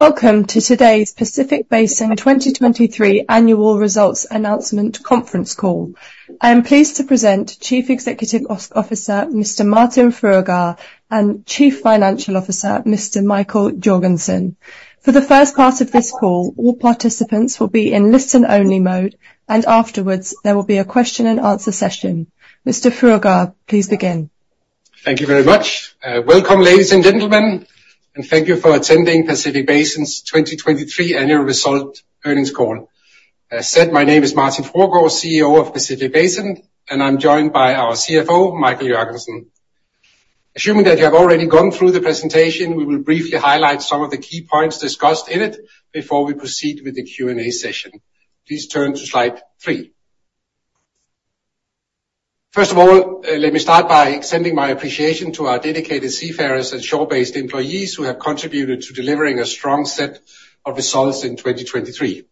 Welcome to today's Pacific Basin 2023 Annual Results Announcement Conference Call. I am pleased to present Chief Executive Officer Mr. Martin Fruergaard and Chief Financial Officer Mr. Michael Jørgensen. For the first part of this call, all participants will be in listen-only mode, and afterwards there will be a question-and-answer session. Mr. Fruergaard, please begin. Thank you very much. Welcome, ladies and gentlemen, and thank you for attending Pacific Basin's 2023 Annual Results Earnings Call. As said, my name is Martin Fruergaard, CEO of Pacific Basin, and I'm joined by our CFO, Michael Jørgensen. Assuming that you have already gone through the presentation, we will briefly highlight some of the key points discussed in it before we proceed with the Q&A session. Please turn to slide three. First of all, let me start by extending my appreciation to our dedicated seafarers and shore-based employees who have contributed to delivering a strong set of results in 2023.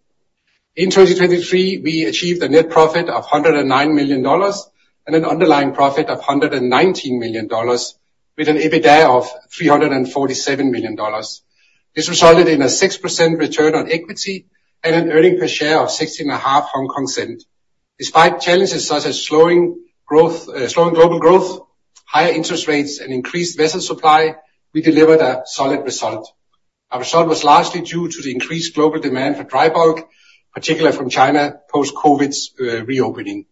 In 2023, we achieved a net profit of $109 million and an underlying profit of $119 million, with an EBITDA of $347 million. This resulted in a 6% return on equity and an earnings per share of 16.5 HK cents. Despite challenges such as slowing global growth, higher interest rates, and increased vessel supply, we delivered a solid result. Our result was largely due to the increased global demand for dry bulk, particularly from China post-COVID reopening.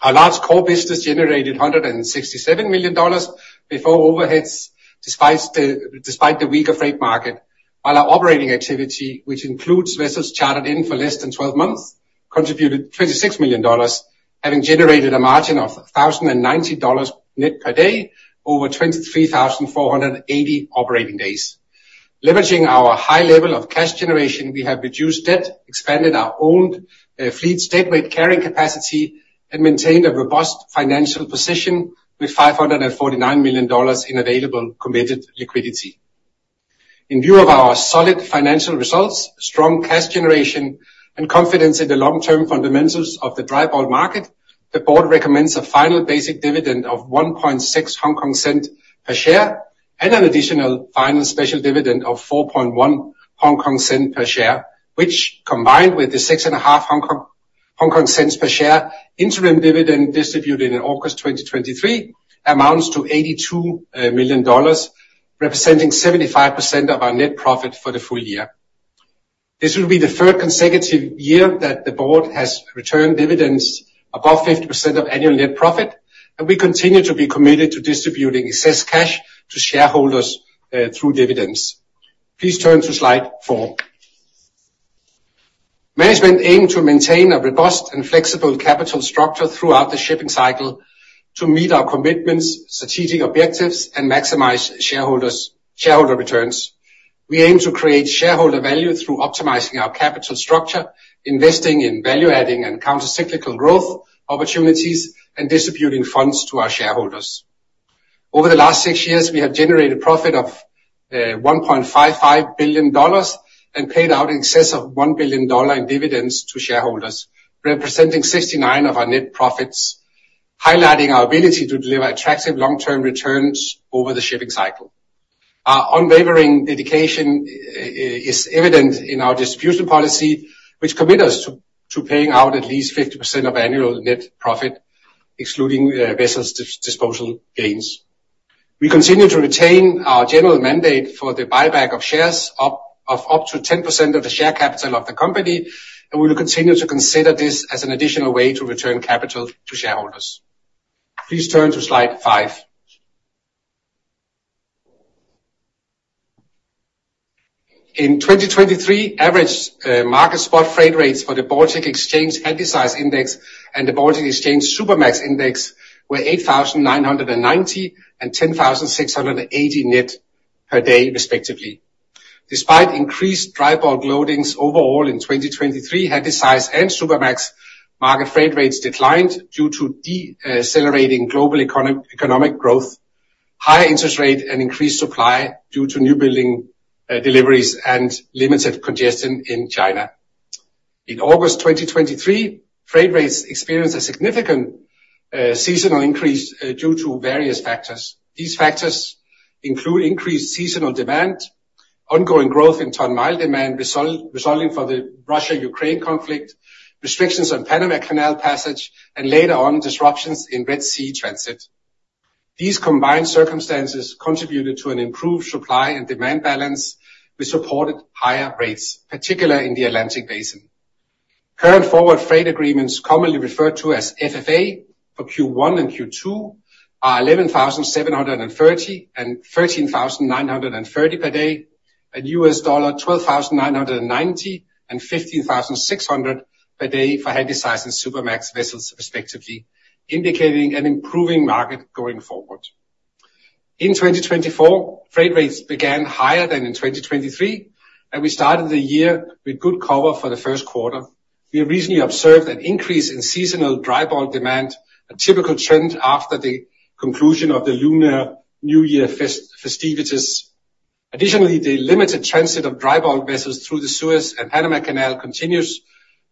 Our large core business generated $167 million before overheads despite the weaker freight market, while our operating activity, which includes vessels chartered in for less than 12 months, contributed $26 million, having generated a margin of $1,090 net per day over 23,480 operating days. Leveraging our high level of cash generation, we have reduced debt, expanded our own fleet's state-of-the-art carrying capacity, and maintained a robust financial position with $549 million in available committed liquidity. In view of our solid financial results, strong cash generation, and confidence in the long-term fundamentals of the dry bulk market, the board recommends a final basic dividend of 1.6 HK cents per share and an additional final special dividend of 4.1 HK cents per share, which, combined with the 6.5 HK cents per share interim dividend distributed in August 2023, amounts to $82 million representing 75% of our net profit for the full year. This will be the third consecutive year that the board has returned dividends above 50% of annual net profit, and we continue to be committed to distributing excess cash to shareholders through dividends. Please turn to slide four. Management aims to maintain a robust and flexible capital structure throughout the shipping cycle to meet our commitments, strategic objectives, and maximize shareholder returns. We aim to create shareholder value through optimizing our capital structure, investing in value-adding and countercyclical growth opportunities, and distributing funds to our shareholders. Over the last six years, we have generated profit of $1.55 billion and paid out excess of $1 billion in dividends to shareholders, representing 69% of our net profits, highlighting our ability to deliver attractive long-term returns over the shipping cycle. Our unwavering dedication is evident in our distribution policy, which commits us to paying out at least 50% of annual net profit, excluding vessel disposal gains. We continue to retain our general mandate for the buyback of shares of up to 10% of the share capital of the company, and we will continue to consider this as an additional way to return capital to shareholders. Please turn to slide five. In 2023, average market spot freight rates for the Baltic Exchange Handysize Index and the Baltic Exchange Supramax Index were $8,990 and $10,680 net per day, respectively. Despite increased dry bulk loadings overall in 2023, Handysize and Supramax market freight rates declined due to decelerating global economic growth, higher interest rate, and increased supply due to new building deliveries and limited congestion in China. In August 2023, freight rates experienced a significant seasonal increase due to various factors. These factors include increased seasonal demand, ongoing growth in tonne-mile demand resulting from the Russia-Ukraine conflict, restrictions on Panama Canal passage, and later on disruptions in Red Sea transit. These combined circumstances contributed to an improved supply and demand balance, which supported higher rates, particularly in the Atlantic Basin. Current forward freight agreements, commonly referred to as FFA for Q1 and Q2, are $11,730 and $13,930 per day, and $12,990 and $15,600 per day for Handysize and Supramax vessels, respectively, indicating an improving market going forward. In 2024, freight rates began higher than in 2023, and we started the year with good cover for the Q1. We recently observed an increase in seasonal dry bulk demand, a typical trend after the conclusion of the Lunar New Year festivities. Additionally, the limited transit of dry bulk vessels through the Suez Canal and Panama Canal continues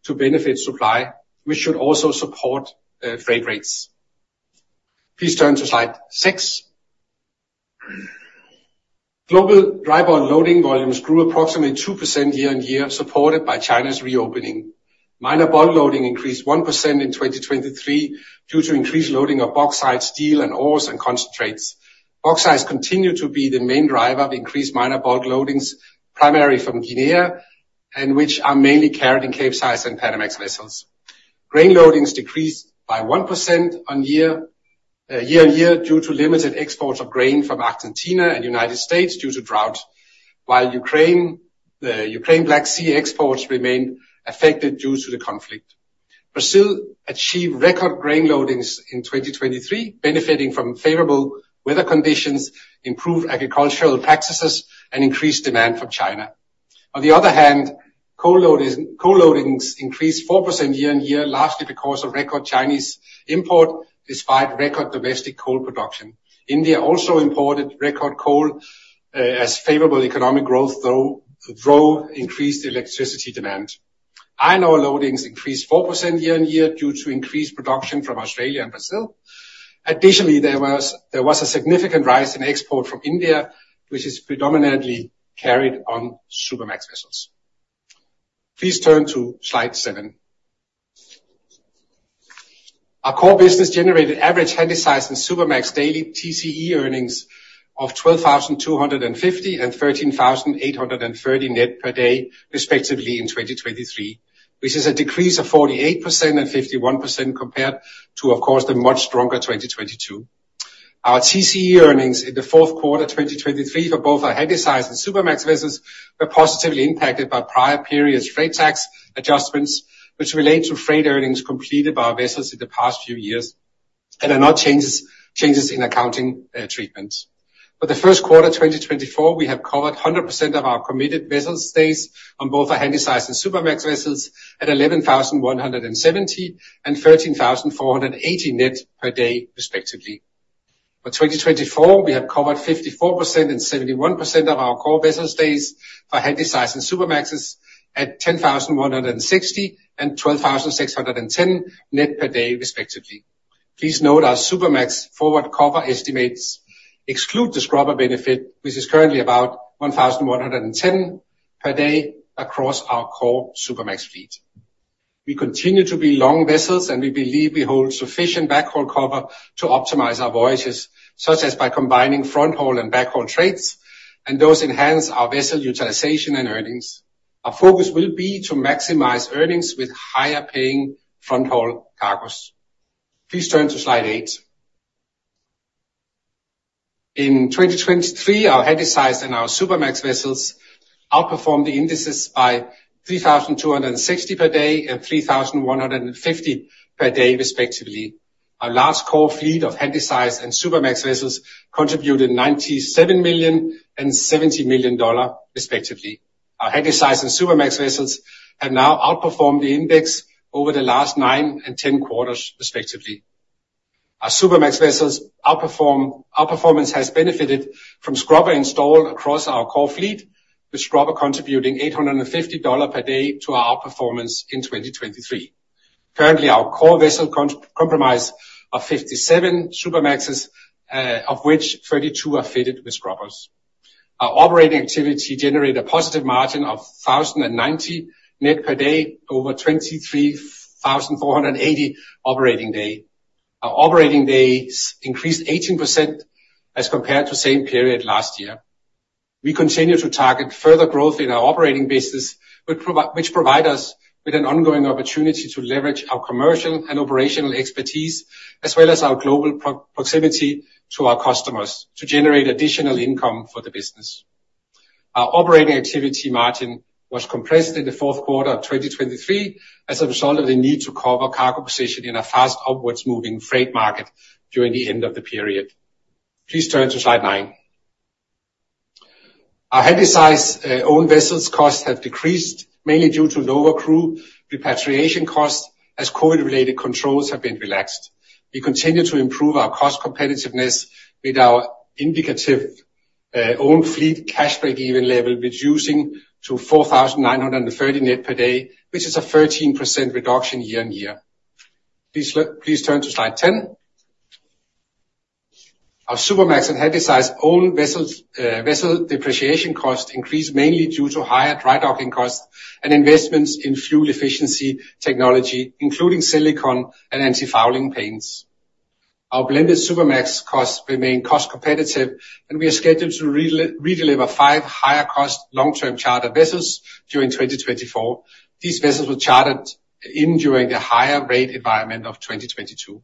to benefit supply, which should also support freight rates. Please turn to slide 6. Global dry bulk loading volumes grew approximately 2% year-on-year, supported by China's reopening. Minor bulk loading increased 1% in 2023 due to increased loading of bauxite, steel, and ores and concentrates. Bauxite continued to be the main driver of increased minor bulk loadings, primarily from Guinea, and which are mainly carried in Capesize and Panamax vessels. Grain loadings decreased by 1% year-over-year due to limited exports of grain from Argentina and the United States due to drought, while Ukraine's Black Sea exports remained affected due to the conflict. Brazil achieved record grain loadings in 2023, benefiting from favorable weather conditions, improved agricultural practices, and increased demand from China. On the other hand, coal loadings increased 4% year-over-year, largely because of record Chinese import despite record domestic coal production. India also imported record coal as favorable economic growth, though increased electricity demand. Iron ore loadings increased 4% year-over-year due to increased production from Australia and Brazil. Additionally, there was a significant rise in export from India, which is predominantly carried on Supramax vessels. Please turn to slide seven. Our core business generated average Handysize and Supramax daily TCE earnings of $12,250 and $13,830 net per day, respectively, in 2023, which is a decrease of 48% and 51% compared to, of course, the much stronger 2022. Our TCE earnings in the Q4 2023 for both our Handysize and Supramax vessels were positively impacted by prior periods' freight tax adjustments, which relate to freight earnings completed by our vessels in the past few years and are not changes in accounting treatments. For the Q1 2024, we have covered 100% of our committed vessel stays on both our Handysize and Supramax vessels at $11,170 and $13,480 net per day, respectively. For 2024, we have covered 54% and 71% of our core vessel stays for Handysize and Supramaxes at $10,160 and $12,610 net per day, respectively. Please note our Supramax forward cover estimates exclude the scrubber benefit, which is currently about 1,110 per day across our core Supramax fleet. We continue to be long vessels, and we believe we hold sufficient backhaul cover to optimize our voyages, such as by combining fronthaul and backhaul trades, and those enhance our vessel utilization and earnings. Our focus will be to maximize earnings with higher-paying fronthaul cargos. Please turn to slide eight. In 2023, our Handysize and our Supramax vessels outperformed the indices by 3,260 per day and 3,150 per day, respectively. Our large core fleet of Handysize and Supramax vessels contributed $97 million and $70 million, respectively. Our Handysize and Supramax vessels have now outperformed the index over the last nine and 10 quarters, respectively. Our Supramax vessels' outperformance has benefited from scrubber installation across our core fleet, with scrubber contributing $850 per day to our outperformance in 2023. Currently, our core vessels comprise 57 Supramaxes, of which 32 are fitted with scrubbers. Our operating activity generated a positive margin of $1,090 net per day over 23,480 operating days. Our operating days increased 18% as compared to the same period last year. We continue to target further growth in our operating business, which provides us with an ongoing opportunity to leverage our commercial and operational expertise, as well as our global proximity to our customers, to generate additional income for the business. Our operating activity margin was compressed in the Q4 of 2023 as a result of the need to cover cargo position in a fast-upward-moving freight market during the end of the period. Please turn to slide nine. Our Handysize owned vessels' costs have decreased, mainly due to lower crew repatriation costs as COVID-related controls have been relaxed. We continue to improve our cost competitiveness with our indicative owned fleet cash break-even level reducing to $4,930 net per day, which is a 13% reduction year-on-year Please turn to slide 10. Our Supramax and Handysize owned vessel depreciation costs increased mainly due to higher dry docking costs and investments in fuel efficiency technology, including silicone and antifouling paints. Our blended Supramax costs remain cost competitive, and we are scheduled to redeliver five higher-cost long-term chartered vessels during 2024. These vessels were chartered in during the higher-rate environment of 2022.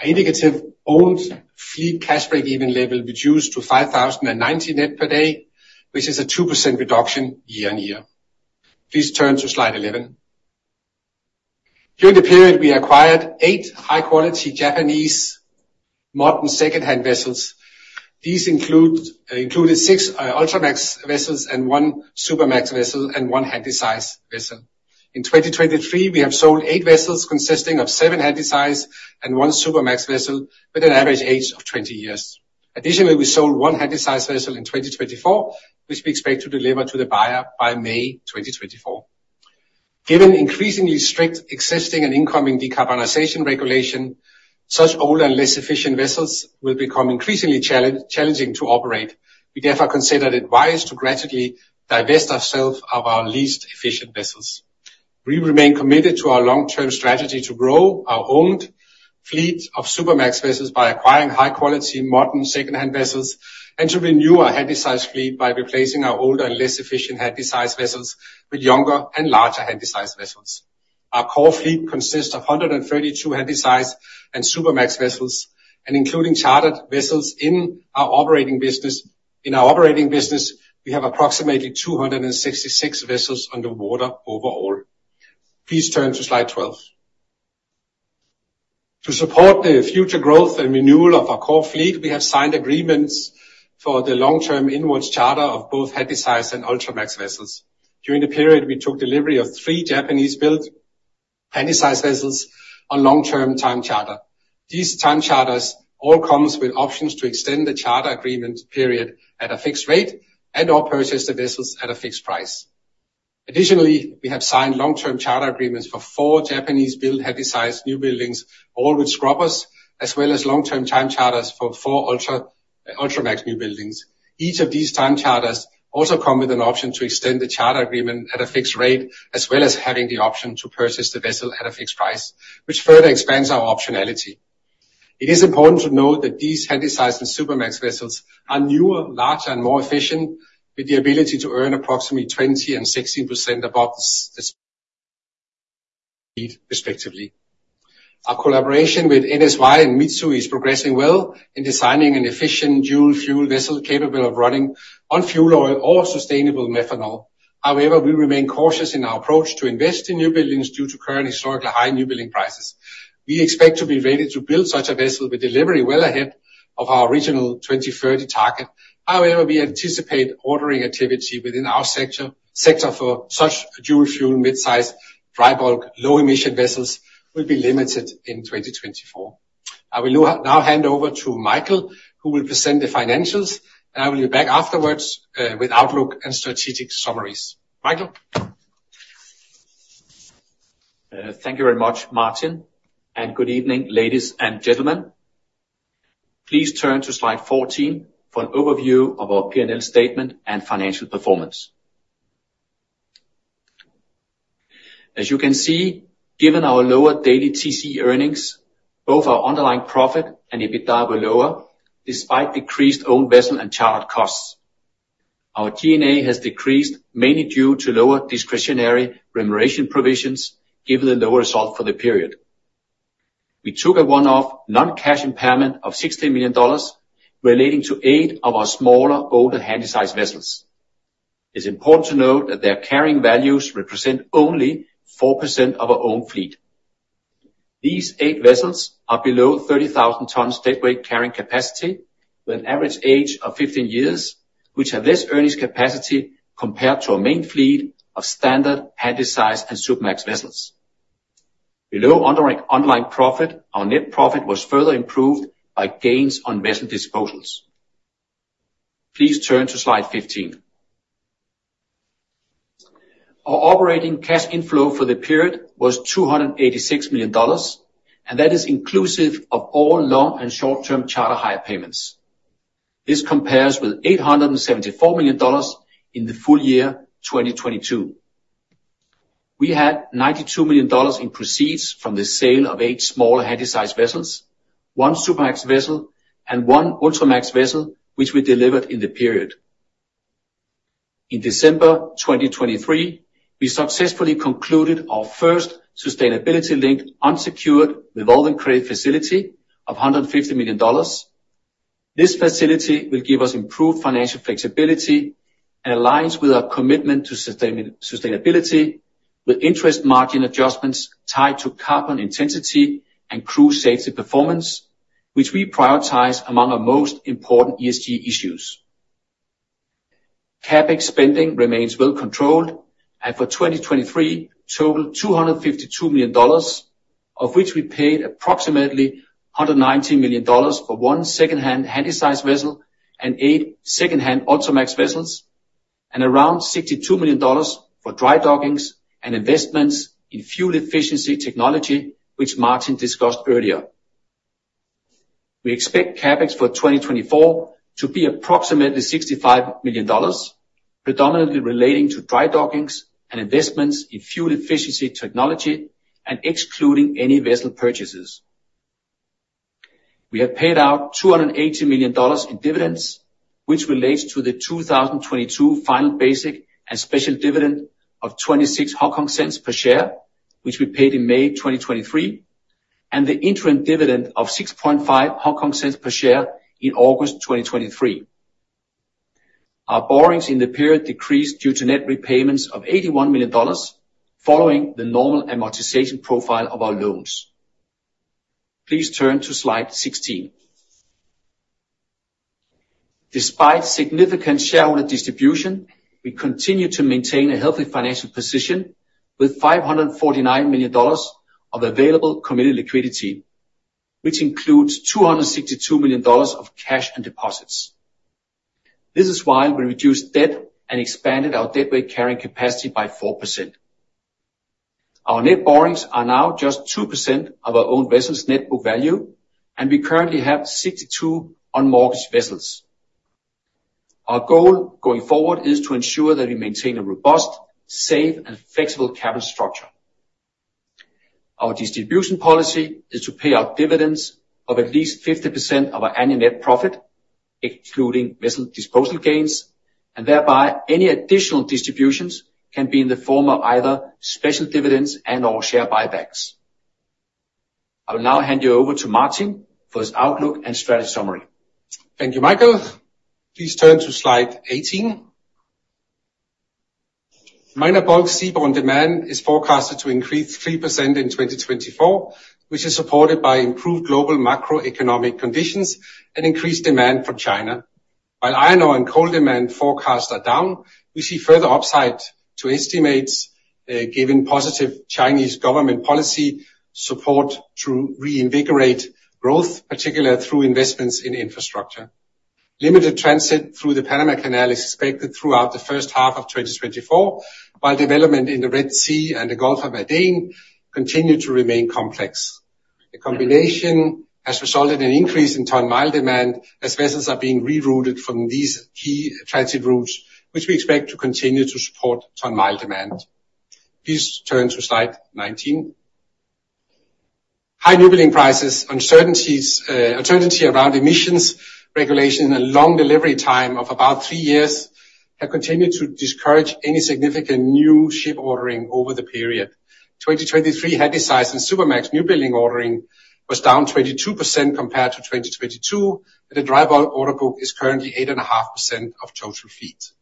Our indicative owned fleet cash break-even level reduced to $5,090 net per day, which is a 2% reduction year-on-year. Please turn to slide 11. During the period, we acquired 8 high-quality Japanese modern secondhand vessels. These included 6 Ultramax vessels and one Supramax vessel and one Handysize vessel. In 2023, we have sold 8 vessels consisting of 7 Handysize and one Supramax vessel with an average age of 20 years. Additionally, we sold one Handysize vessel in 2024, which we expect to deliver to the buyer by May 2024. Given increasingly strict existing and incoming decarbonization regulation, such older and less efficient vessels will become increasingly challenging to operate. We therefore consider it wise to gradually divest ourselves of our least efficient vessels. We remain committed to our long-term strategy to grow our owned fleet of Supramax vessels by acquiring high-quality modern secondhand vessels and to renew our Handysize fleet by replacing our older and less efficient Handysize vessels with younger and larger Handysize vessels. Our core fleet consists of 132 Handysize and Supramax vessels, including chartered vessels in our operating business. In our operating business, we have approximately 266 vessels under management overall. Please turn to slide 12. To support the future growth and renewal of our core fleet, we have signed agreements for the long-term inward charter of both Handysize and Ultramax vessels. During the period, we took delivery of 3 Japanese-built Handysize vessels on long-term time charter. These time charters all come with options to extend the charter agreement period at a fixed rate and/or purchase the vessels at a fixed price. Additionally, we have signed long-term charter agreements for 4 Japanese-built Handysize new buildings, all with scrubbers, as well as long-term time charters for 4 Ultramax new buildings. Each of these time charters also comes with an option to extend the charter agreement at a fixed rate as well as having the option to purchase the vessel at a fixed price, which further expands our optionality. It is important to note that these Handysize and Supramax vessels are newer, larger, and more efficient, with the ability to earn approximately 20% and 16% above the index, respectively. Our collaboration with NSY and Mitsui is progressing well in designing an efficient dual-fuel vessel capable of running on fuel oil or sustainable methanol. However, we remain cautious in our approach to invest in new buildings due to current historically high new building prices. We expect to be ready to build such a vessel with delivery well ahead of our regional 2030 target. However, we anticipate ordering activity within our sector for such dual-fuel midsize dry bulk low-emission vessels will be limited in 2024. I will now hand over to Michael, who will present the financials, and I will be back afterwards with Outlook and strategic summaries. Michael. Thank you very much, Martin. And good evening, ladies and gentlemen. Please turn to slide 14 for an overview of our P&L statement and financial performance. As you can see, given our lower daily TCE earnings, both our underlying profit and EBITDA were lower despite decreased owned vessel and chartered costs. Our G&A has decreased mainly due to lower discretionary remuneration provisions given the lower result for the period. We took a one-off non-cash impairment of $16 million relating to eight of our smaller older Handysize vessels. It's important to note that their carrying values represent only 4% of our owned fleet. These eight vessels are below 30,000 tonnes deadweight carrying capacity with an average age of 15 years, which have less earnings capacity compared to a main fleet of standard Handysize and Supramax vessels. Below underlying profit, our net profit was further improved by gains on vessel disposals. Please turn to slide 15. Our operating cash inflow for the period was $286 million, and that is inclusive of all long and short-term charter hire payments. This compares with $874 million in the full year 2022. We had $92 million in proceeds from the sale of eight smaller Handysize vessels, one Supramax vessel, and one Ultramax vessel, which we delivered in the period. In December 2023, we successfully concluded our first sustainability-linked unsecured revolving credit facility of $150 million. This facility will give us improved financial flexibility and aligns with our commitment to sustainability with interest margin adjustments tied to carbon intensity and crew safety performance, which we prioritize among our most important ESG issues. CapEx spending remains well controlled, and for 2023, total $252 million, of which we paid approximately $190 million for one secondhand Handysize vessel and eight secondhand Ultramax vessels, and around $62 million for dry dockings and investments in fuel efficiency technology, which Martin discussed earlier. We expect CapEx for 2024 to be approximately $65 million, predominantly relating to dry dockings and investments in fuel efficiency technology and excluding any vessel purchases. We have paid out $280 million in dividends, which relates to the 2022 final basic and special dividend of 26 HK cents per share, which we paid in May 2023, and the interim dividend of 6.5 HKD per share in August 2023. Our borrowings in the period decreased due to net repayments of $81 million following the normal amortization profile of our loans. Please turn to slide 16. Despite significant shareholder distribution, we continue to maintain a healthy financial position with $549 million of available committed liquidity, which includes $262 million of cash and deposits. This is why we reduced debt and expanded our deadweight carrying capacity by 4%. Our net borrowings are now just 2% of our owned vessels' net book value, and we currently have 62 unmortgaged vessels. Our goal going forward is to ensure that we maintain a robust, safe, and flexible capital structure. Our distribution policy is to pay out dividends of at least 50% of our annual net profit, excluding vessel disposal gains, and thereby any additional distributions can be in the form of either special dividends and/or share buybacks. I will now hand you over to Martin for his Outlook and strategy summary. Thank you, Michael. Please turn to slide 18. Minor Bulk seaborne demand is forecasted to increase 3% in 2024, which is supported by improved global macroeconomic conditions and increased demand from China. While iron ore and coal demand forecasts are down, we see further upside to estimates given positive Chinese government policy support to reinvigorate growth, particularly through investments in infrastructure. Limited transit through the Panama Canal is expected throughout the first half of 2024, while development in the Red Sea and the Gulf of Aden continues to remain complex. The combination has resulted in an increase in tonne-mile demand as vessels are being rerouted from these key transit routes, which we expect to continue to support tonne-mile demand. Please turn to slide 19. High newbuilding prices, uncertainty around emissions regulation, and a long delivery time of about 3 years have continued to discourage any significant new ship ordering over the period. 2023 Handysize and Supramax newbuilding ordering was down 22% compared to 2022, and the dry bulk order book is currently 8.5% of total fleet.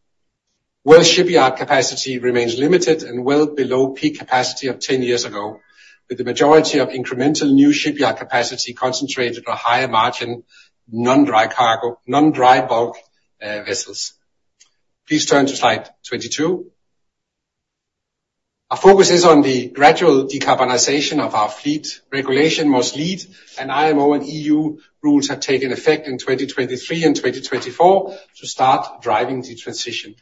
World shipyard capacity remains limited and well below peak capacity of 10 years ago, with the majority of incremental new shipyard capacity concentrated on higher margin non-dry bulk vessels. Please turn to slide 22. Our focus is on the gradual decarbonization of our fleet. Regulation must lead, and IMO and EU rules have taken effect in 2023 and 2024 to start driving the transition.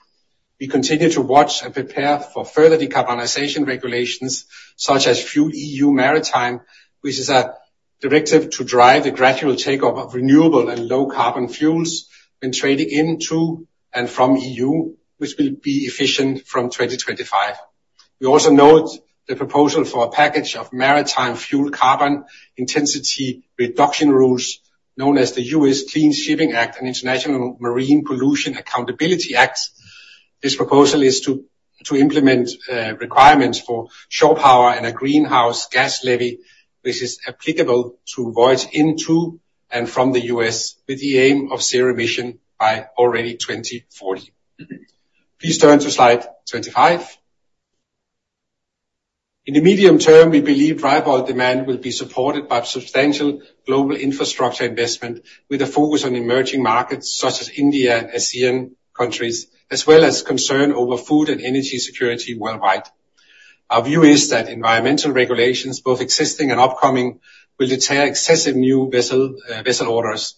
We continue to watch and prepare for further decarbonization regulations such as FuelEU Maritime, which is a directive to drive the gradual takeover of renewable and low-carbon fuels when trading into and from EU, which will be effective from 2025. We also note the proposal for a package of maritime fuel carbon intensity reduction rules known as the US Clean Shipping Act and International Marine Pollution Accountability Act. This proposal is to implement requirements for shore power and a greenhouse gas levy, which is applicable to voyages into and from the US with the aim of zero emission by already 2040. Please turn to slide 25. In the medium term, we believe dry bulk demand will be supported by substantial global infrastructure investment with a focus on emerging markets such as India and ASEAN countries, as well as concern over food and energy security worldwide. Our view is that environmental regulations, both existing and upcoming, will deter excessive new vessel orders,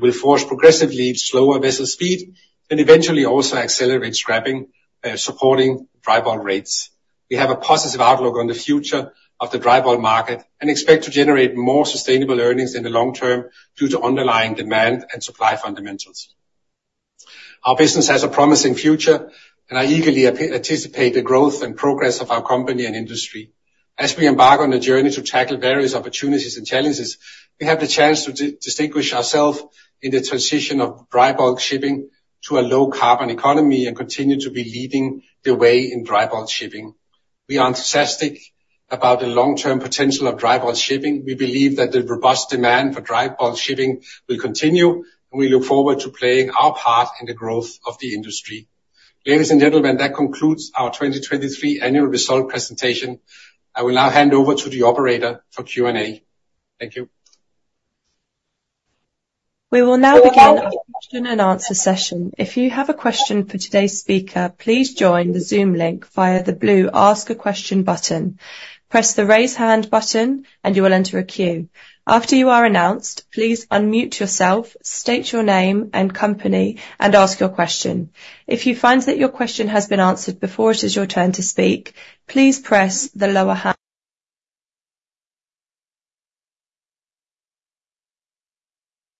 will force progressively slower vessel speed, and eventually also accelerate scrapping, supporting dry bulk rates. We have a positive outlook on the future of the dry bulk market and expect to generate more sustainable earnings in the long term due to underlying demand and supply fundamentals. Our business has a promising future, and I eagerly anticipate the growth and progress of our company and industry. As we embark on a journey to tackle various opportunities and challenges, we have the chance to distinguish ourselves in the transition of dry bulk shipping to a low-carbon economy and continue to be leading the way in dry bulk shipping. We are enthusiastic about the long-term potential of dry bulk shipping. We believe that the robust demand for dry bulk shipping will continue, and we look forward to playing our part in the growth of the industry. Ladies and gentlemen, that concludes our 2023 annual results presentation. I will now hand over to the operator for Q&A. Thank you. We will now begin our question and answer session. If you have a question for today's speaker, please join the Zoom link via the blue Ask a Question button. Press the Raise Hand button, and you will enter a queue. After you are announced, please unmute yourself, state your name and company, and ask your question. If you find that your question has been answered before it is your turn to speak, please press the Lower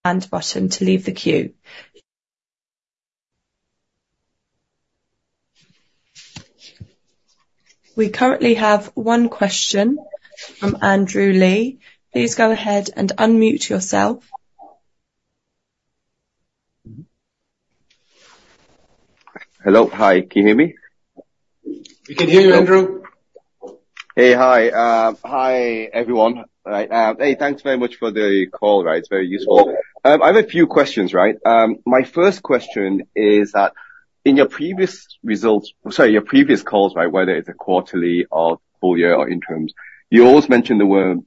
Hand button to leave the queue. We currently have one question from Andrew Lee. Please go ahead and unmute yourself. Hello. Hi. Can you hear me? We can hear you, Andrew. Hey. Hi. Hi, everyone. Hey. Thanks very much for the call. It's very useful. I have a few questions. My first question is that in your previous results sorry, your previous calls, whether it's a quarterly or full year or interims, you always mentioned the word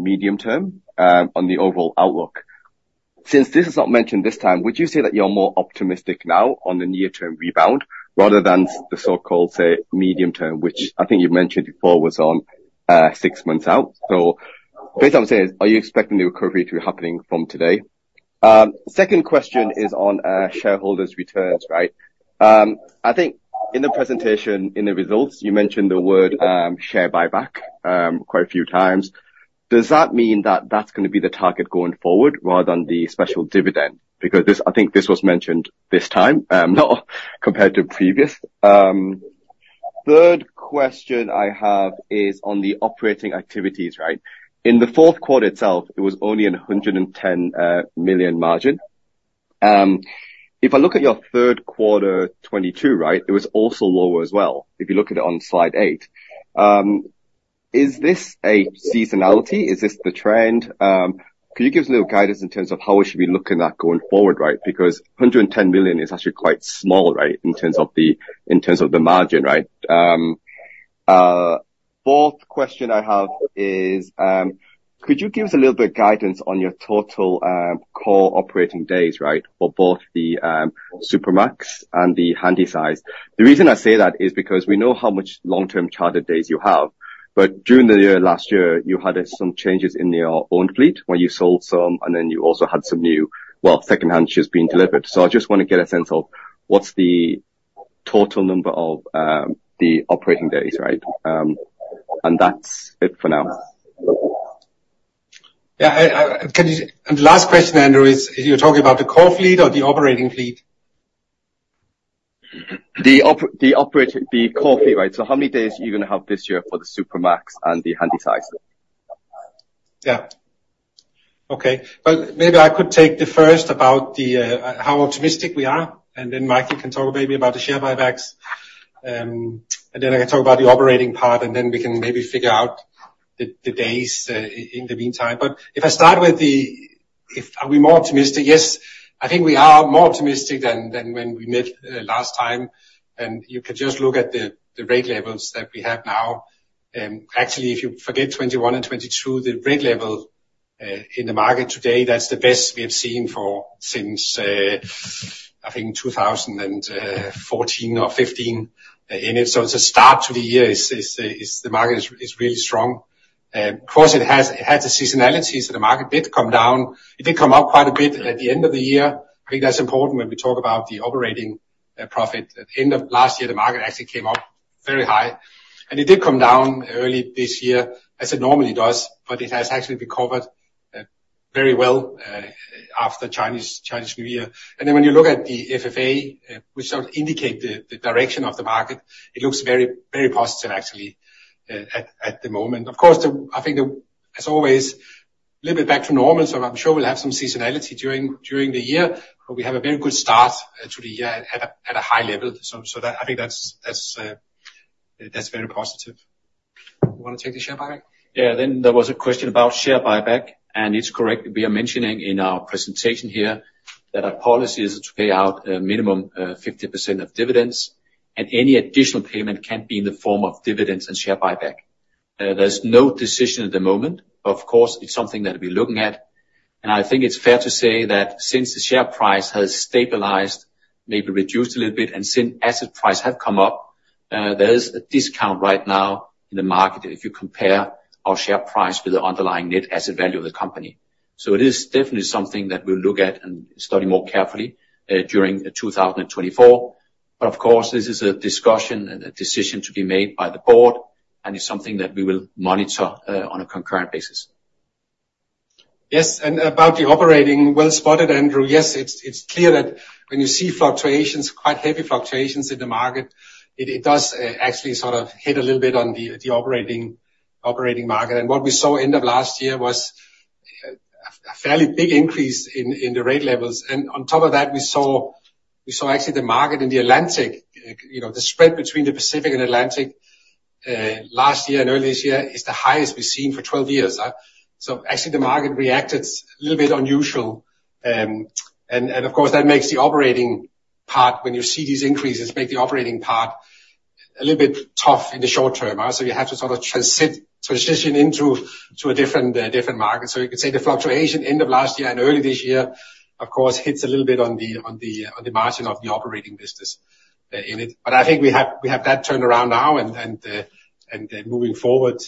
medium term on the overall outlook. Since this is not mentioned this time, would you say that you're more optimistic now on the near-term rebound rather than the so-called, say, medium term, which I think you mentioned before was on six months out? So based on what I'm saying, are you expecting the recovery to be happening from today? Second question is on shareholders' returns. I think in the presentation, in the results, you mentioned the word share buyback quite a few times. Does that mean that that's going to be the target going forward rather than the special dividend? Because I think this was mentioned this time, not compared to previous. Third question I have is on the operating activities. In the Q4 itself, it was only a $110 million margin. If I look at your Q3 2022, it was also lower as well, if you look at it on slide 8. Is this a seasonality? Is this the trend? Can you give us a little guidance in terms of how we should be looking at that going forward? Because $110 million is actually quite small in terms of the margin. Fourth question I have is, could you give us a little bit of guidance on your total core operating days for both the Supramax and the Handysize? The reason I say that is because we know how much long-term chartered days you have. But during the year last year, you had some changes in your owned fleet where you sold some, and then you also had some new, well, secondhand ships being delivered. So I just want to get a sense of what's the total number of the operating days. And that's it for now. Yeah. And the last question, Andrew, is you're talking about the core fleet or the operating fleet? The operating, the core fleet. So how many days are you going to have this year for the Supramax and the Handysize? Yeah. Okay. But maybe I could take the first about how optimistic we are, and then Michael can talk maybe about the share buybacks. Then I can talk about the operating part, and then we can maybe figure out the days in the meantime. But if I start with: are we more optimistic? Yes. I think we are more optimistic than when we met last time. And you can just look at the rate levels that we have now. Actually, if you forget 2021 and 2022, the rate level in the market today, that's the best we have seen for since, I think, 2014 or 2015 in it. So it's a start to the year. The market is really strong. Of course, it had the seasonalities that the market did come down. It did come up quite a bit at the end of the year. I think that's important when we talk about the operating profit. At the end of last year, the market actually came up very high. It did come down early this year as it normally does, but it has actually recovered very well after Chinese New Year. And then when you look at the FFA, which indicates the direction of the market, it looks very, very positive, actually, at the moment. Of course, I think, as always, a little bit back to normal. So I'm sure we'll have some seasonality during the year, but we have a very good start to the year at a high level. So I think that's very positive. You want to take the share buyback? Yeah. Then there was a question about share buyback, and it's correct. We are mentioning in our presentation here that our policy is to pay out a minimum 50% of dividends, and any additional payment can be in the form of dividends and share buyback. There's no decision at the moment. Of course, it's something that we're looking at. And I think it's fair to say that since the share price has stabilized, maybe reduced a little bit, and since asset prices have come up, there is a discount right now in the market if you compare our share price with the underlying net asset value of the company. So it is definitely something that we'll look at and study more carefully during 2024. But of course, this is a discussion and a decision to be made by the board, and it's something that we will monitor on a concurrent basis. Yes. And about the operating, well spotted, Andrew, yes, it's clear that when you see fluctuations, quite heavy fluctuations in the market, it does actually sort of hit a little bit on the operating market. What we saw end of last year was a fairly big increase in the rate levels. On top of that, we saw actually the market in the Atlantic, the spread between the Pacific and Atlantic last year and earlier this year is the highest we've seen for 12 years. Actually, the market reacted a little bit unusual. Of course, that makes the operating part when you see these increases, make the operating part a little bit tough in the short term. You have to sort of transition into a different market. You could say the fluctuation end of last year and early this year, of course, hits a little bit on the margin of the operating business in it. But I think we have that turned around now and moving forward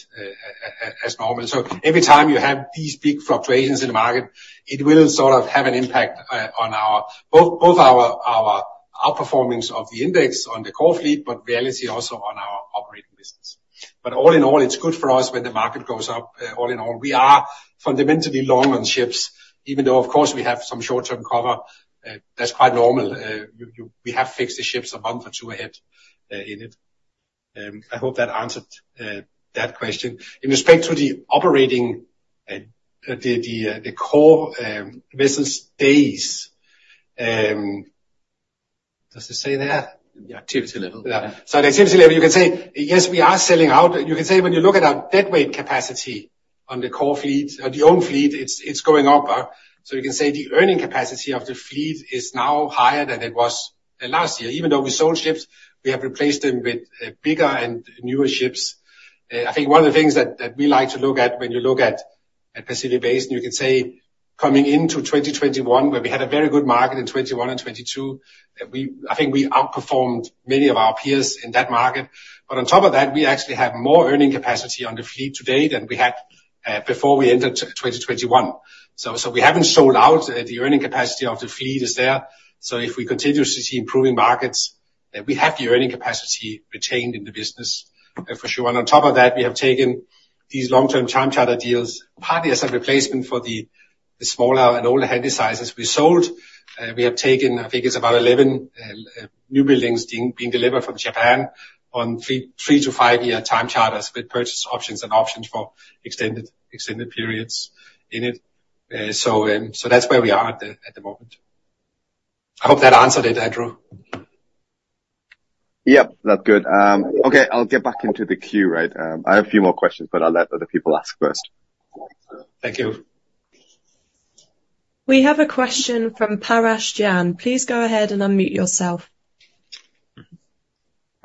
as normal. So every time you have these big fluctuations in the market, it will sort of have an impact on both our outperformance of the index on the core fleet, but really also on our operating business. But all in all, it's good for us when the market goes up. All in all, we are fundamentally long on ships. Even though, of course, we have some short-term cover, that's quite normal. We have fixed the ships a month or two ahead of it. I hope that answered that question. In respect to the operating core business days, does it say there? The activity level. Yeah. So the activity level, you can say, yes, we are sailing out. You can say when you look at our deadweight capacity on the core fleet or the owned fleet, it's going up. You can say the earning capacity of the fleet is now higher than it was last year. Even though we sold ships, we have replaced them with bigger and newer ships. I think one of the things that we like to look at when you look at Pacific Basin, you can say coming into 2021, where we had a very good market in 2021 and 2022, I think we outperformed many of our peers in that market. But on top of that, we actually have more earning capacity on the fleet today than we had before we entered 2021. So we haven't sold out. The earning capacity of the fleet is there. So if we continue to see improving markets, we have the earning capacity retained in the business for sure. And on top of that, we have taken these long-term time-chartered deals partly as a replacement for the smaller and older Handysize we sold. We have taken, I think it's about 11 newbuildings being delivered from Japan on 3- to 5-year time-charters with purchase options and options for extended periods in it. So that's where we are at the moment. I hope that answered it, Andrew. Yep. That's good. Okay. I'll get back into the queue. I have a few more questions, but I'll let other people ask first. Thank you. We have a question from Parash Jain. Please go ahead and unmute yourself.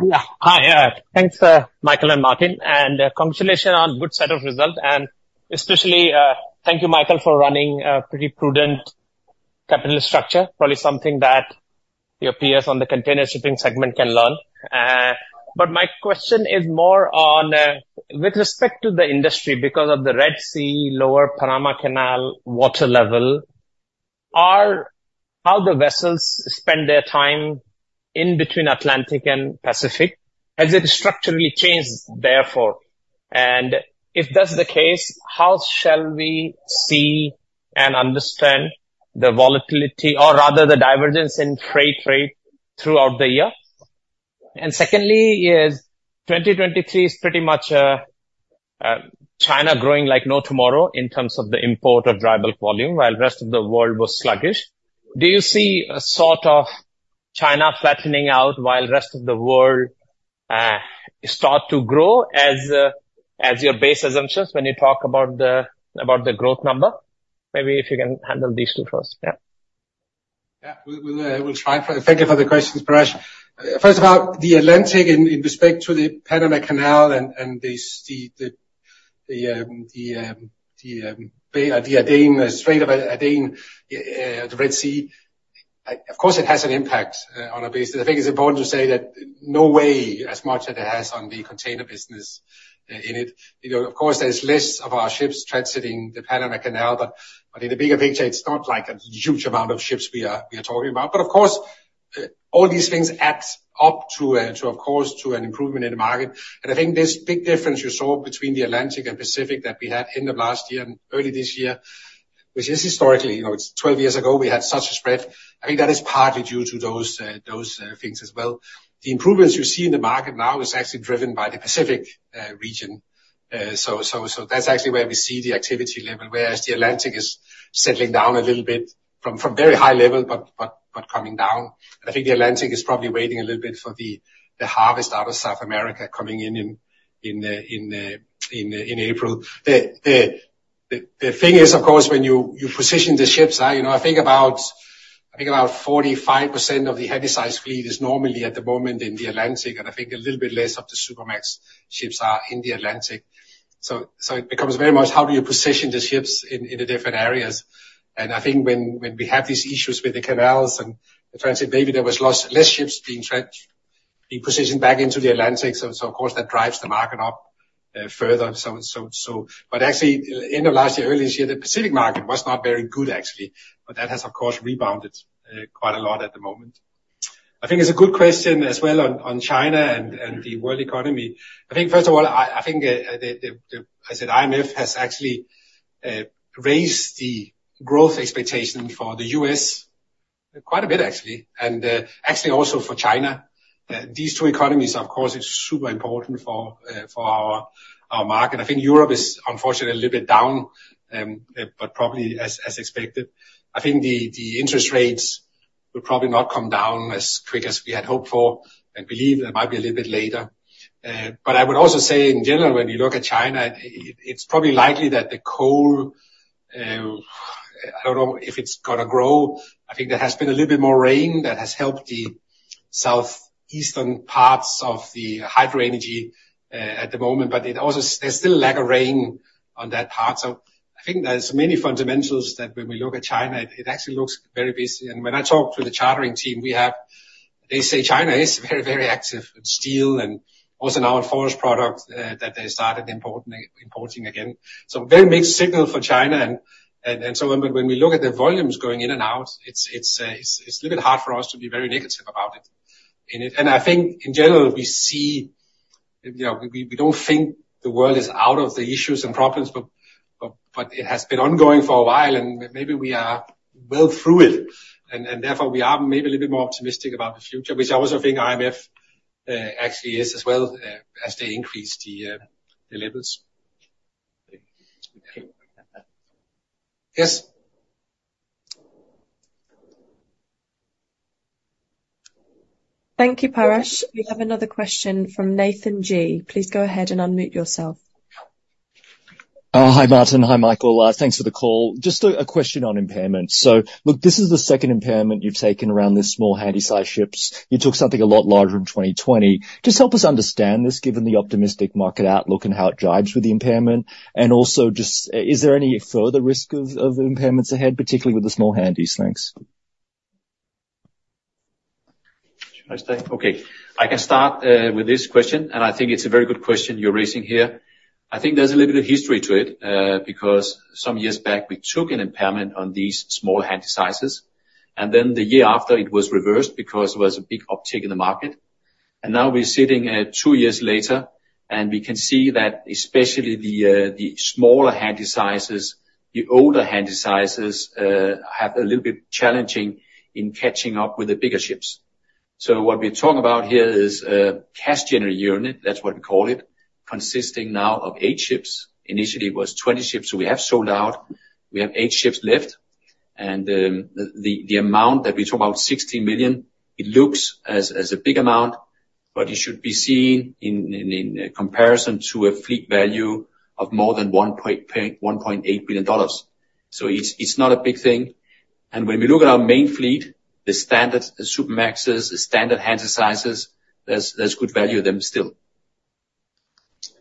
Yeah. Hi. Thanks, Michael and Martin. And congratulations on a good set of results. And especially, thank you, Michael, for running a pretty prudent capital structure, probably something that your peers on the container shipping segment can learn. But my question is more with respect to the industry because of the Red Sea, lower Panama Canal water level, how do the vessels spend their time in between Atlantic and Pacific? Has it structurally changed therefore? And if that's the case, how shall we see and understand the volatility or rather the divergence in freight rate throughout the year? And secondly, 2023 is pretty much China growing like no tomorrow in terms of the import of dry bulk volume while the rest of the world was sluggish. Do you see a sort of China flattening out while the rest of the world starts to grow as your base assumptions when you talk about the growth number? Maybe if you can handle these two first. Yeah. Yeah. We'll try and thank you for the questions, Parash. First of all, the Atlantic Basin in respect to the Panama Canal and the Gulf of Aden, the Red Sea, of course, it has an impact on our business. I think it's important to say that no way as much as it has on the container business in it. Of course, there's less of our ships transiting the Panama Canal, but in the bigger picture, it's not a huge amount of ships we are talking about. But of course, all these things add up to, of course, an improvement in the market. And I think this big difference you saw between the Atlantic Basin and Pacific Basin that we had end of last year and early this year, which is historically it's 12 years ago, we had such a spread. I think that is partly due to those things as well. The improvements you see in the market now is actually driven by the Pacific Basin. So that's actually where we see the activity level, whereas the Atlantic Basin is settling down a little bit from very high level but coming down. And I think the Atlantic Basin is probably waiting a little bit for the harvest out of South America coming in in April. The thing is, of course, when you position the ships, I think about 45% of the Handysize fleet is normally at the moment in the Atlantic Basin, and I think a little bit less of the Supramax ships are in the Atlantic Basin. So it becomes very much how do you position the ships in the different areas? And I think when we have these issues with the canals and the transit, maybe there was less ships being positioned back into the Atlantic Basin. So of course, that drives the market up further. But actually, end of last year, early this year, the Pacific market was not very good, actually. But that has, of course, rebounded quite a lot at the moment. I think it's a good question as well on China and the world economy. I think, first of all, I think as I said, IMF has actually raised the growth expectation for the U.S. quite a bit, actually, and actually also for China. These two economies, of course, are super important for our market. I think Europe is, unfortunately, a little bit down, but probably as expected. I think the interest rates will probably not come down as quick as we had hoped for and believed. It might be a little bit later. But I would also say, in general, when you look at China, it's probably likely that the coal, I don't know if it's going to grow. I think there has been a little bit more rain that has helped the southeastern parts of the hydroenergy at the moment. But there's still a lack of rain on that part. So I think there's many fundamentals that when we look at China, it actually looks very busy. And when I talk to the chartering team, they say China is very, very active in steel and also now in forest products that they started importing again. So very mixed signal for China and so on. But when we look at the volumes going in and out, it's a little bit hard for us to be very negative about it. I think, in general, we see we don't think the world is out of the issues and problems, but it has been ongoing for a while, and maybe we are well through it. And therefore, we are maybe a little bit more optimistic about the future, which I also think IMF actually is as well as they increase the levels. Yes. Thank you, Parash. We have another question from Nathan Gee. Please go ahead and unmute yourself. Hi, Martin. Hi, Michael. Thanks for the call. Just a question on impairments. So look, this is the second impairment you've taken around the small Handysize ships. You took something a lot larger in 2020. Just help us understand this given the optimistic market outlook and how it jibes with the impairment. And also, is there any further risk of impairments ahead, particularly with the small Handysize? Okay. I can start with this question, and I think it's a very good question you're raising here. I think there's a little bit of history to it because some years back, we took an impairment on these small Handysize. And then the year after, it was reversed because there was a big uptick in the market. And now we're sitting two years later, and we can see that especially the smaller Handysize, the older Handysize have a little bit challenging in catching up with the bigger ships. So what we're talking about here is a cash-generating unit. That's what we call it, consisting now of 8 ships. Initially, it was 20 ships. So we have sold out. We have 8 ships left. The amount that we talk about, $16 million, it looks as a big amount, but it should be seen in comparison to a fleet value of more than $1.8 billion. So it's not a big thing. And when we look at our main fleet, the standard Supramaxes, the standard Handysizes, there's good value in them still.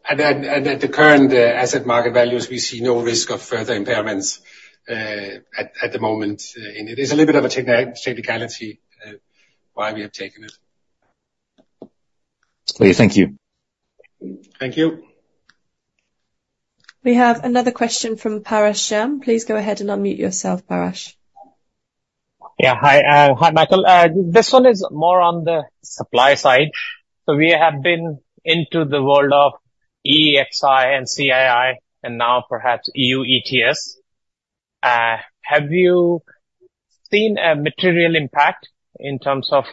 And at the current asset market values, we see no risk of further impairments at the moment in it. It's a little bit of a technicality why we have taken it. Clear. Thank you. Thank you. We have another question from Parash Jain. Please go ahead and unmute yourself, Parash. Yeah. Hi, Michael. This one is more on the supply side. So we have been into the world of EEXI and CII and now perhaps EU ETS. Have you seen a material impact in terms of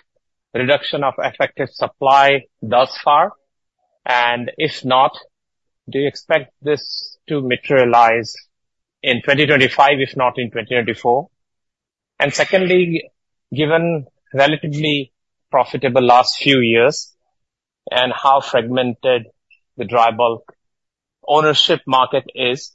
reduction of effective supply thus far? And if not, do you expect this to materialize in 2025, if not in 2024? And secondly, given relatively profitable last few years and how fragmented the dry bulk ownership market is,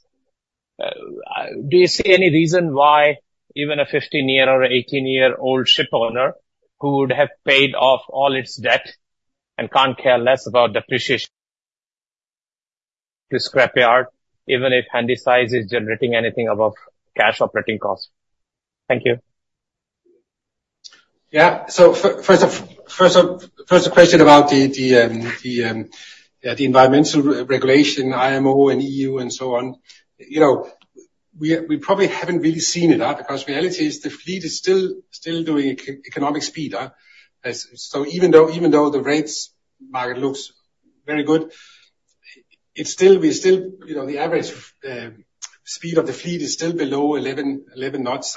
do you see any reason why even a 15-year or 18-year-old ship owner who would have paid off all its debt and can't care less about depreciation to scrapyard, even if Handysize is generating anything above cash operating costs? Thank you. Yeah. So first of all, first question about the environmental regulation, IMO and EU and so on. We probably haven't really seen it because reality is the fleet is still doing economic speed. So even though the rates market looks very good, we're still the average speed of the fleet is still below 11 knots.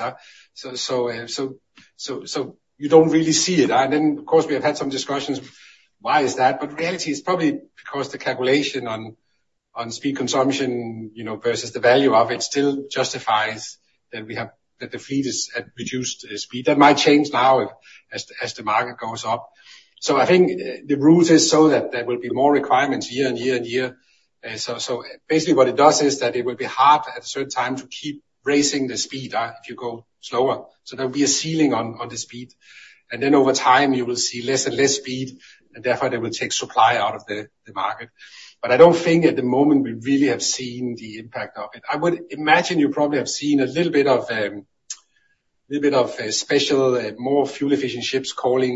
So you don't really see it. Then, of course, we have had some discussions. "Why is that?" But reality, it's probably because the calculation on speed consumption versus the value of it still justifies that the fleet is at reduced speed. That might change now as the market goes up. So I think the rules are so that there will be more requirements year on year on year. So basically, what it does is that it will be hard at a certain time to keep raising the speed if you go slower. So there will be a ceiling on the speed. And then over time, you will see less and less speed, and therefore, there will take supply out of the market. But I don't think at the moment, we really have seen the impact of it. I would imagine you probably have seen a little bit of a little bit of specially more fuel-efficient ships calling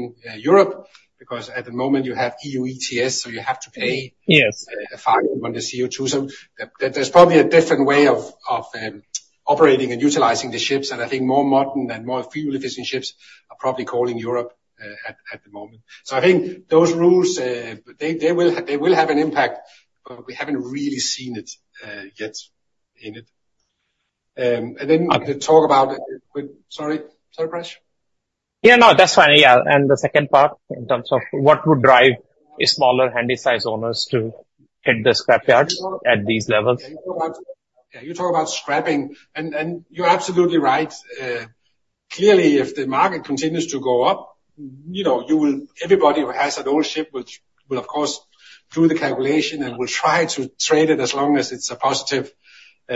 Europe because at the moment, you have EU ETS, so you have to pay a fine on the CO2. So there's probably a different way of operating and utilizing the ships. And I think more modern and more fuel-efficient ships are probably calling Europe at the moment. So I think those rules, they will have an impact, but we haven't really seen it yet in it. And then to talk about sorry? Sorry, Parash? Yeah. No. That's fine. Yeah. And the second part in terms of what would drive smaller Handysize owners to hit the scrapyard at these levels? Yeah. You talk about scrapping. And you're absolutely right. Clearly, if the market continues to go up, everybody who has an old ship will, of course, do the calculation and will try to trade it as long as it's a positive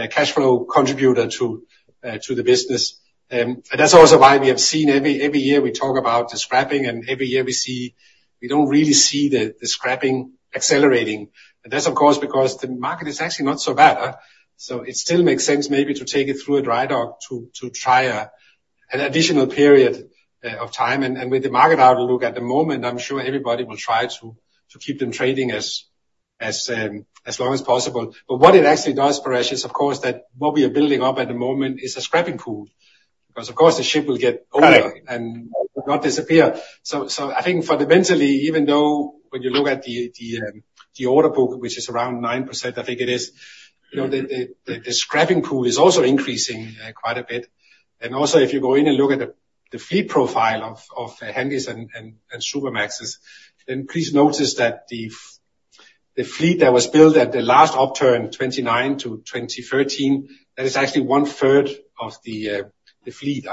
cash flow contributor to the business. And that's also why we have seen every year, we talk about the scrapping, and every year, we don't really see the scrapping accelerating. And that's, of course, because the market is actually not so bad. So it still makes sense maybe to take it through a dry dock to try an additional period of time. And with the market outlook at the moment, I'm sure everybody will try to keep them trading as long as possible. But what it actually does, Parash, is, of course, that what we are building up at the moment is a scrapping pool because, of course, the ship will get older and not disappear. So I think fundamentally, even though when you look at the order book, which is around 9%, I think it is, the scrapping pool is also increasing quite a bit. And also, if you go in and look at the fleet profile of Handysize and Supramaxes, then please notice that the fleet that was built at the last upturn, 2009 to 2013, that is actually one-third of the fleet.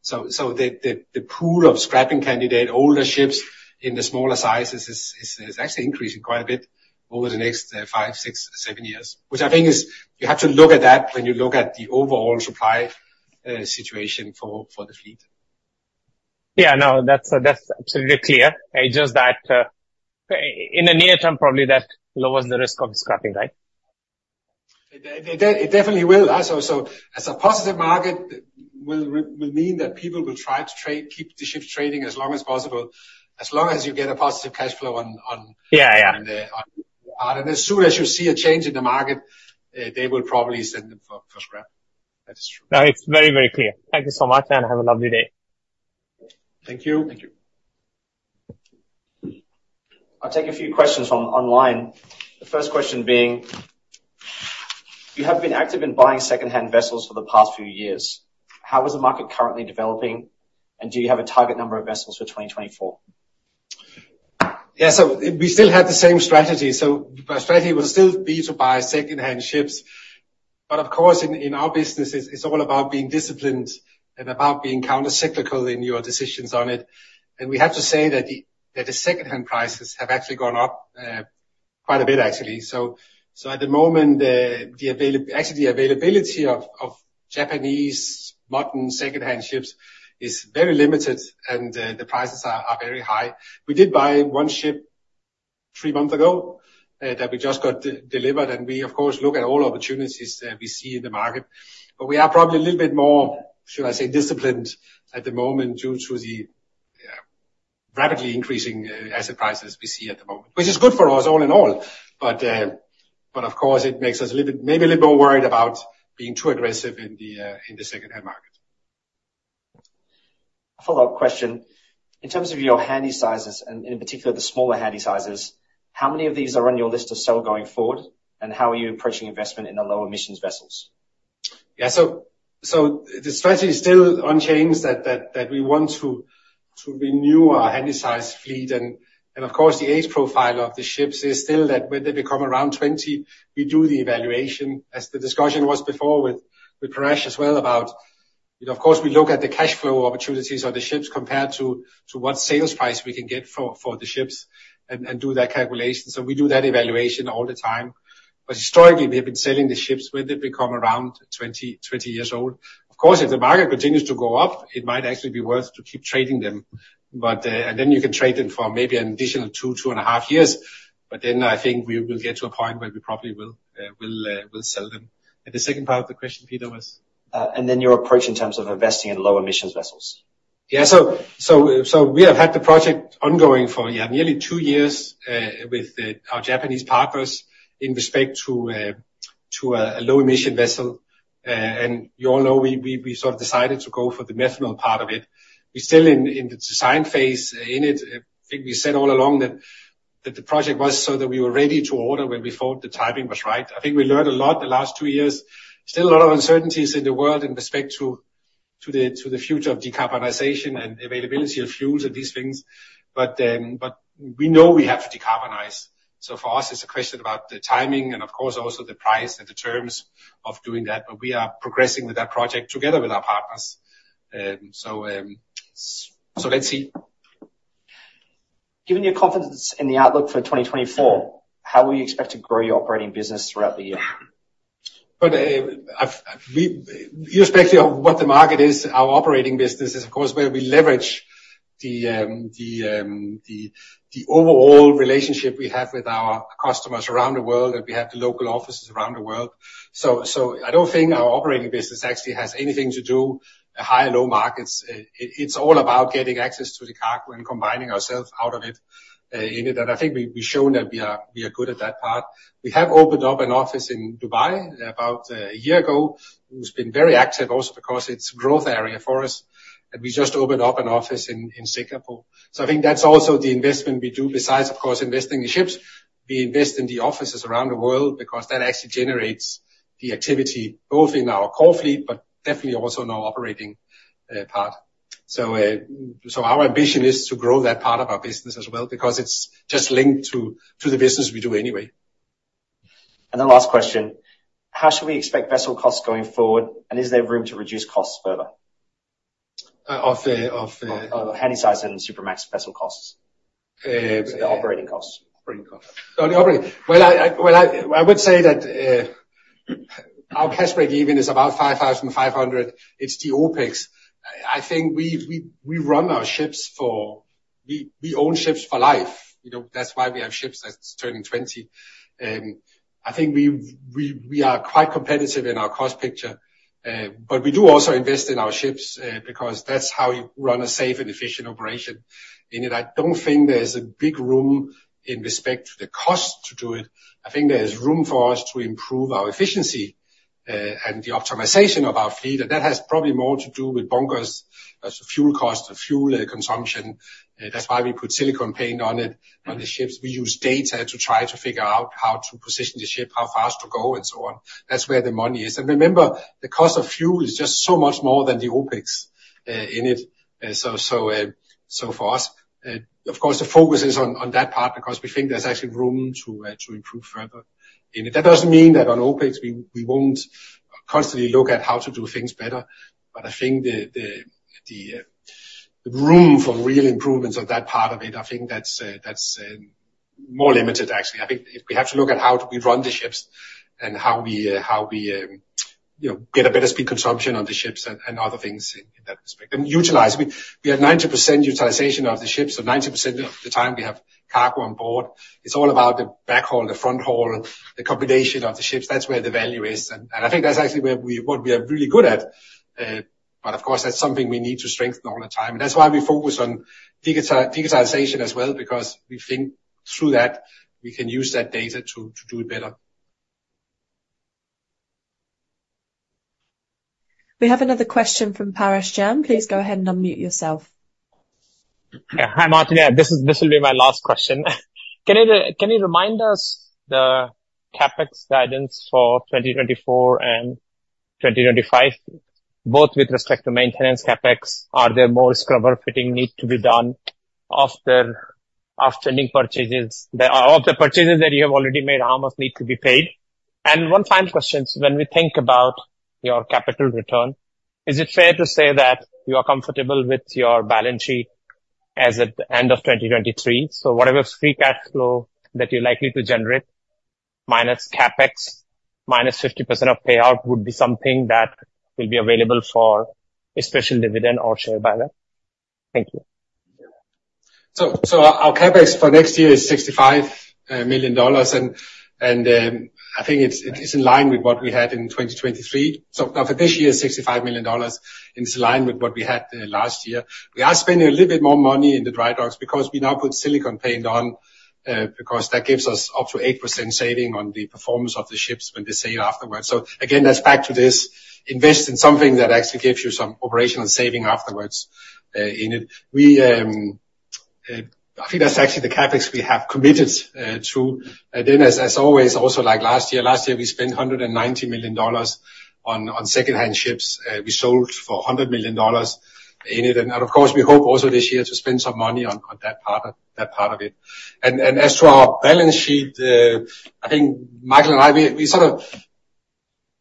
So the pool of scrapping candidate, older ships in the smaller sizes, is actually increasing quite a bit over the next five, six, seven years, which I think is you have to look at that when you look at the overall supply situation for the fleet. Yeah. No. That's absolutely clear. It's just that in the near term, probably that lowers the risk of scrapping, right? It definitely will. So as a positive market, it will mean that people will try to keep the ships trading as long as possible, as long as you get a positive cash flow on the water. And as soon as you see a change in the market, they will probably send them for scrap. That is true. No. It's very, very clear. Thank you so much, and have a lovely day. Thank you. I'll take a few questions from online. The first question being, you have been active in buying secondhand vessels for the past few years. How is the market currently developing, and do you have a target number of vessels for 2024? Yeah. So we still had the same strategy. So our strategy would still be to buy secondhand ships. But of course, in our business, it's all about being disciplined and about being countercyclical in your decisions on it. And we have to say that the secondhand prices have actually gone up quite a bit, actually. So at the moment, actually, the availability of Japanese modern secondhand ships is very limited, and the prices are very high. We did buy one ship three months ago that we just got delivered. And we, of course, look at all opportunities that we see in the market. But we are probably a little bit more, should I say, disciplined at the moment due to the rapidly increasing asset prices we see at the moment, which is good for us all in all. But of course, it makes us maybe a little bit more worried about being too aggressive in the secondhand market. Follow-up question. In terms of your Handysize vessels and in particular, the smaller Handysize vessels, how many of these are on your list to sell going forward, and how are you approaching investment in the low-emissions vessels? Yeah. So the strategy is still unchanged, that we want to renew our Handysize fleet. And of course, the age profile of the ships is still that when they become around 20, we do the evaluation, as the discussion was before with Parash as well, about of course, we look at the cash flow opportunities of the ships compared to what sales price we can get for the ships and do that calculation. So we do that evaluation all the time. But historically, we have been selling the ships when they become around 20 years old. Of course, if the market continues to go up, it might actually be worth to keep trading them. Then you can trade them for maybe an additional 2-2.5 years. But then I think we will get to a point where we probably will sell them. The second part of the question, Peter, was? And then your approach in terms of investing in low-emissions vessels. Yeah. So we have had the project ongoing for, yeah, nearly 2 years with our Japanese partners in respect to a low-emission vessel. And you all know we sort of decided to go for the methanol part of it. We're still in the design phase in it. I think we said all along that the project was so that we were ready to order when we thought the timing was right. I think we learned a lot the last 2 years. Still a lot of uncertainties in the world in respect to the future of decarbonization and availability of fuels and these things. But we know we have to decarbonize. So for us, it's a question about the timing and, of course, also the price and the terms of doing that. But we are progressing with that project together with our partners. So let's see. Given your confidence in the outlook for 2024, how will you expect to grow your operating business throughout the year? But irrespective of what the market is, our operating business is, of course, where we leverage the overall relationship we have with our customers around the world and we have the local offices around the world. So I don't think our operating business actually has anything to do with high or low markets. It's all about getting access to the cargo and combining ourselves out of it in it. I think we've shown that we are good at that part. We have opened up an office in Dubai about a year ago, who's been very active also because it's a growth area for us. We just opened up an office in Singapore. I think that's also the investment we do. Besides, of course, investing in ships, we invest in the offices around the world because that actually generates the activity both in our core fleet but definitely also in our operating part. Our ambition is to grow that part of our business as well because it's just linked to the business we do anyway. The last question. How should we expect vessel costs going forward, and is there room to reduce costs further? Of the? Of Handysize and Supramax vessel costs? The operating costs. Operating costs. Well, I would say that our cash break even is about $5,500. It's the OPEX. I think we run our ships for we own ships for life. That's why we have ships that's turning 20. I think we are quite competitive in our cost picture. But we do also invest in our ships because that's how you run a safe and efficient operation in it. I don't think there's a big room in respect to the cost to do it. I think there is room for us to improve our efficiency and the optimization of our fleet. And that has probably more to do with bunkers, fuel costs, fuel consumption. That's why we put silicone paint on the ships. We use data to try to figure out how to position the ship, how fast to go, and so on. That's where the money is. And remember, the cost of fuel is just so much more than the OPEX in it. So for us, of course, the focus is on that part because we think there's actually room to improve further in it. That doesn't mean that on OPEX, we won't constantly look at how to do things better. But I think the room for real improvements on that part of it, I think that's more limited, actually. I think we have to look at how do we run the ships and how we get a better speed consumption on the ships and other things in that respect and utilize. We have 90% utilization of the ships. So 90% of the time, we have cargo on board. It's all about the backhaul, the fronthaul, the combination of the ships. That's where the value is. And I think that's actually what we are really good at. But of course, that's something we need to strengthen all the time. And that's why we focus on digitization as well because we think through that, we can use that data to do it better. We have another question from Parash Jain. Please go ahead and unmute yourself. Yeah. Hi, Martin. This will be my last question. Can you remind us the CapEx guidance for 2024 and 2025, both with respect to maintenance CapEx? Are there more scrubber fitting needs to be done of the pending purchases? Of the purchases that you have already made, how much need to be paid? And one final question. When we think about your capital return, is it fair to say that you are comfortable with your balance sheet as at the end of 2023? So whatever free cash flow that you're likely to generate minus CapEx minus 50% of payout would be something that will be available for a special dividend or share buyback? Thank you. Our CapEx for next year is $65 million. And I think it's in line with what we had in 2023. Now for this year, it's $65 million. And it's in line with what we had last year. We are spending a little bit more money in the dry docks because we now put silicone paint on because that gives us up to 8% saving on the performance of the ships when they sail afterwards. Again, that's back to this. Invest in something that actually gives you some operational saving afterwards in it. I think that's actually the CapEx we have committed to. And then as always, also like last year, last year, we spent $190 million on secondhand ships. We sold for $100 million in it. And of course, we hope also this year to spend some money on that part of it. And as to our balance sheet, I think Michael and I, we're sort of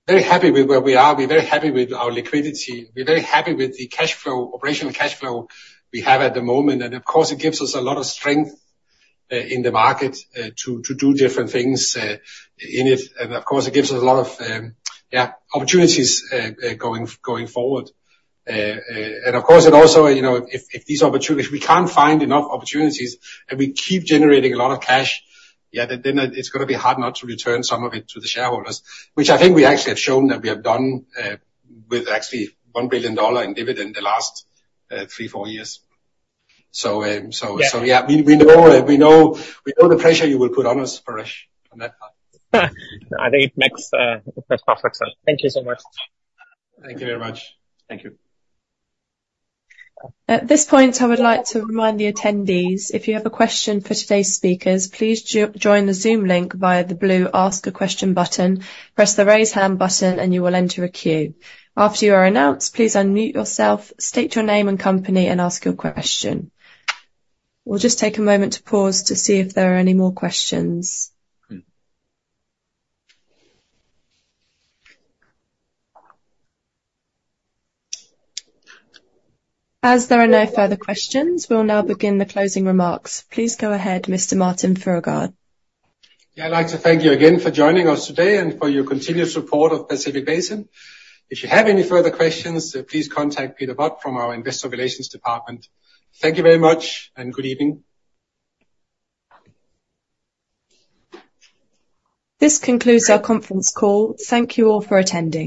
very happy with where we are. We're very happy with our liquidity. We're very happy with the operational cash flow we have at the moment. And of course, it gives us a lot of strength in the market to do different things in it. And of course, it gives us a lot of, yeah, opportunities going forward. And of course, it also, if these opportunities we can't find enough opportunities and we keep generating a lot of cash, yeah, then it's going to be hard not to return some of it to the shareholders, which I think we actually have shown that we have done with actually $1 billion in dividend the last three, four years. So yeah, we know the pressure you will put on us, Parash, on that part. I think it makes perfect sense. Thank you so much. Thank you very much. Thank you. At this point, I would like to remind the attendees, if you have a question for today's speakers, please join the Zoom link via the blue Ask a Question button, press the Raise Hand button, and you will enter a queue. After you are announced, please unmute yourself, state your name and company, and ask your question. We'll just take a moment to pause to see if there are any more questions. As there are no further questions, we'll now begin the closing remarks. Please go ahead, Mr. Martin Fruergaard. Yeah. I'd like to thank you again for joining us today and for your continued support of Pacific Basin. If you have any further questions, please contact Peter Budd from our Investor Relations Department. Thank you very much, and good evening. This concludes our conference call. Thank you all for attending.